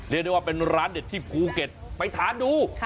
เรียกได้ว่าเป็นร้านเด็ดที่ภูเก็ตไปทานดู